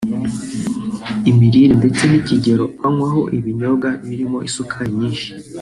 imirire ndetse n’ikigero banywaho ibinyobwa birimo isukari nyinshi